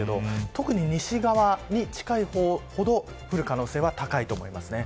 特に西側に近い方ほど降る可能性は高いと思います。